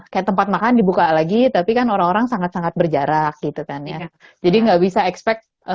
kayak tempat makan dibuka lagi tapi kan orang orang sangat sangat berjarak gitu kan ya jadi nggak bisa expect